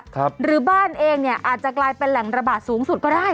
หรือบ้านเองเนี่ยอาจจะกลายเป็นแหล่งระบาดสูงสุดก็ได้